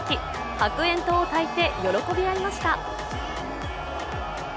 白煙灯をたいて喜び合いました。